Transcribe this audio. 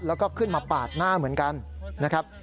แล้วก็ขึ้นมาปาดหน้าเหมือนกันนะครับ